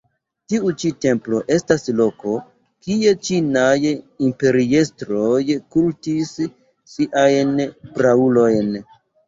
Tiu ĉi templo estas loko, kie ĉinaj imperiestroj kultis siajn praulojn.